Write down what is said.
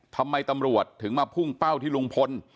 ทำไมตำรวจถึงมาพุ่งเป้าที่ลุงพล